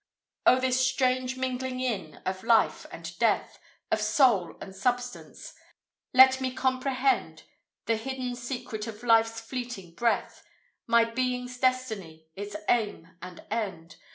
O, this strange mingling in of Life and Death, Of Soul and Substance! Let me comprehend The hidden secret of life's fleeting breath, My being's destiny, its aim and end.